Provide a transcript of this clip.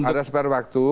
ada spare waktu